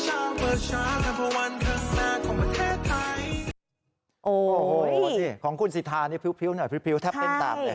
โอ้โฮของคุณสิทาพริ้วแทบเป็นตาม